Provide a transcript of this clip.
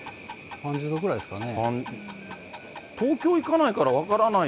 ３０度ぐらいですかね。